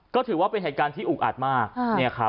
ก็ถือว่าเป็นเหตุการณ์ที่อุกอัดมาก